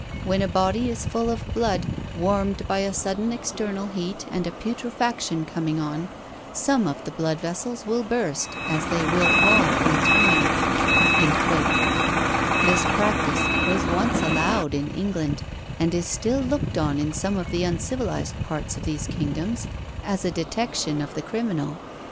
"When a body is full of blood, warmed by a sudden external heat, and a putrefaction coming on, some of the blood vessels will burst, as they will all in time." This practice was once allowed in England, and is still looked on in some of the uncivilized parts of these kingdoms as a detection of the criminal.